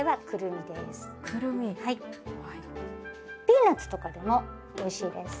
ピーナツとかでもおいしいです。